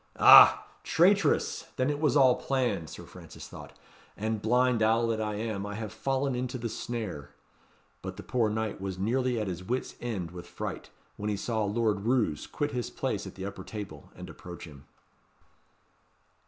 "Ah! traitress! then it was all planned," Sir Francis thought; "and, blind owl that I am, I have fallen into the snare." But the poor knight was nearly at his wit's end with fright, when he saw Lord Roos quit his place at the upper table and approach him.